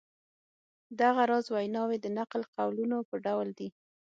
دغه راز ویناوی د نقل قولونو په ډول دي.